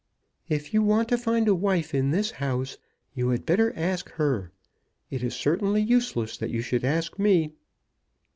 "If you want to find a wife in this house you had better ask her. It is certainly useless that you should ask me."